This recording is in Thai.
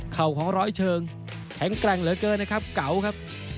เข่าของร้อยเชิงแข็งแกร่งเหลือเกินนะครับเก่าครับ